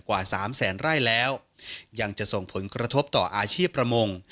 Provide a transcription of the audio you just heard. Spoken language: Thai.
กว่าสามแสนไร่แล้วยังจะส่งผลกระทบต่ออาชีพประมง